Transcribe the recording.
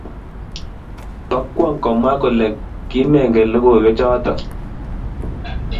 Bo kwong' komwa kole kimengen lokoiywechoto